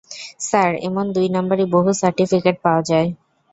Sir, এমন দুই নাম্বারি বহু সাটিফিকেট পাওয়া যায়।